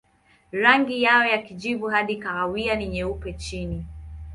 Rangi yao ni kijivu hadi kahawia na nyeupe chini.